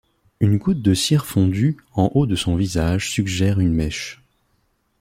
Une goûte de cire fondue en haut de son visage suggère une mèche.